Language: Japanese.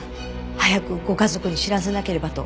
早くご家族に知らせなければと。